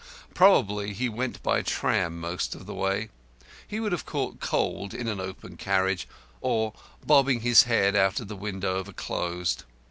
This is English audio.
Probably he went by tram most of the way. He would have caught cold in an open carriage, or bobbing his head out of the window of a closed.